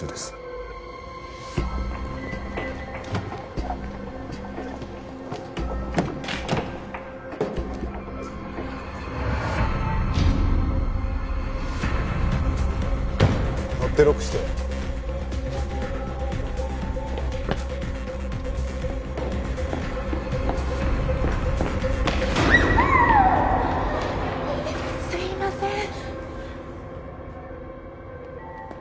すみません。